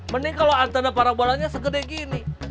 mending kalau antena parabolanya segede gini